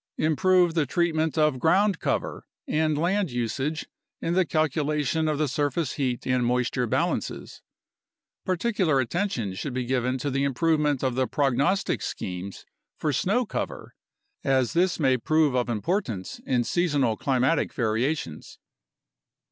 Improve the treatment of ground cover and land usage in the calcula tion of the surface heat and moisture balances. Particular attention should be given to the improvement of the prognostic schemes for snow cover, as this may prove of importance in seasonal climatic variations.